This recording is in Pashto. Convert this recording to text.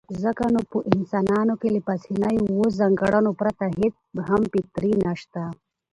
ځکه نو په انسانانو کې له پاسنيو اووو ځانګړنو پرته هېڅ هم فطري نشته.